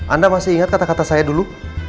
anda masih ingat kata kata saya dulu